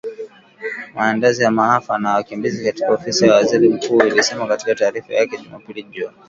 Maandalizi ya maafa na wakimbizi katika Ofisi ya Waziri Mkuu ilisema katika taarifa yake Jumapili jioni .